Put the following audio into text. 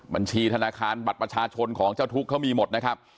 บัญชีธนาคารบัตรประชาชนของเจ้าทุกข์เขามีหมดนะครับ